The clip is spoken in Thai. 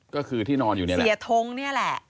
ก็คือที่นอนอยู่นี่แหละเสียทงนี่แหละ